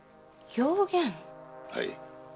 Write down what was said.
はい。